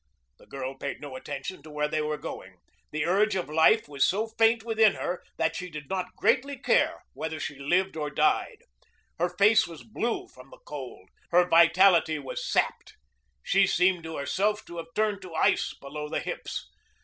The girl paid no attention to where they were going. The urge of life was so faint within her that she did not greatly care whether she lived or died. Her face was blue from the cold; her vitality was sapped. She seemed to herself to have turned to ice below the hips.